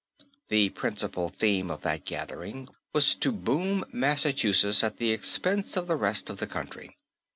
The principal theme of that gathering was to boom Massachusetts at the expense of the rest of the country.